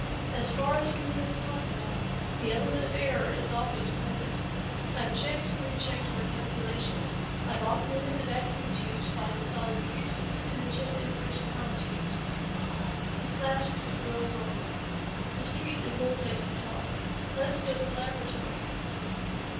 "As far as humanly possible. The element of error is always present. I've checked and re checked my calculations. I've augmented the vacuum tubes by installing three super dimensional inverse power tubes." He clasped the girl's arm. "The street is no place to talk. Let's go to the laboratory."